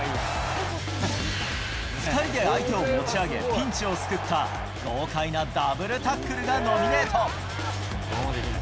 ２人で相手を持ち上げ、ピンチを救った、豪快なダブルタックルがノミネート。